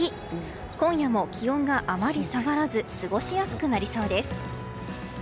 今夜も気温があまり下がらず過ごしやすくなりそうです。